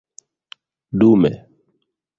dume